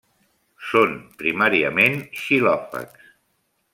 Són primàriament xilòfags.